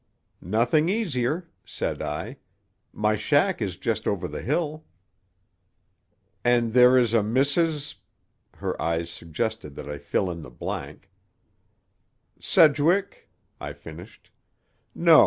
"Nothing easier," said I. "My shack is just over the hill." "And there is a Mrs.—" her eyes suggested that I fill the blank. "Sedgwick?" I finished. "No.